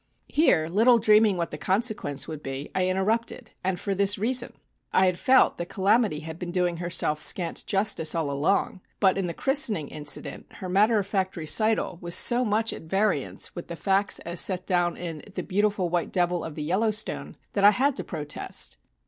Here, little dreaming what the consequence would be, I interrupted, and for this reason: I had felt that "Calamity" had been doing herself scant justice all along, but in the "christening" incident her matter of fact recital was so much at variance with the facts as set down in "The Beautiful White Devil of the Yellowstone" that I had to protest.